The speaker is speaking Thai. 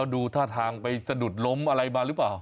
ดูท่าทางไปสะดุดล้มอะไรมาหรือเปล่า